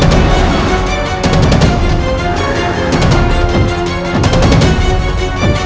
kau akan menang